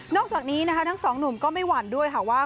จากนี้นะคะทั้งสองหนุ่มก็ไม่หวั่นด้วยค่ะว่า